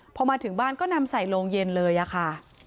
พอมาถึงบ้านก็นำใส่โรงเย็นเลยค่ะ